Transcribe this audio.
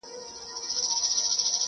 او بحثونه لا روان دي،